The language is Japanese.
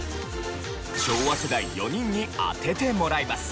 昭和世代４人に当ててもらいます。